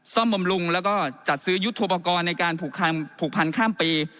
ซ่อมบำรุงและจัดซื้อยุทธภกรในการผูกพันธุ์ข้ามปี